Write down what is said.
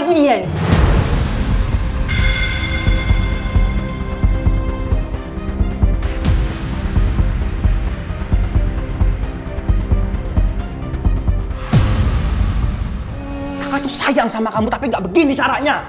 kakak tuh sayang sama kamu tapi gak begini caranya